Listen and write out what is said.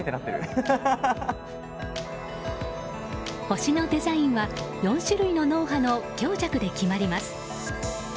星のデザインは４種類の脳波の強弱で決まります。